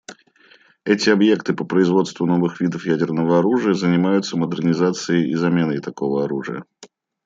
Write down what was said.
Эти объекты по производству новых видов ядерного оружия занимаются модернизацией и заменой такого оружия.